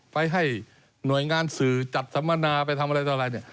ไปให้หน่วยงานสื่อจัดสัมมานาไปทำอะไร